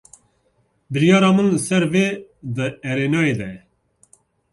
Biryara min li ser vê di erênayê de ye.